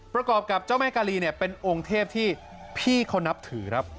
ประกอบกับเจ้าแม่กาลีเป็นองค์เทพที่มันนับถือ